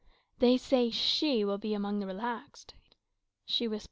"They say she will be amongst the relaxed,"[#] she whispered.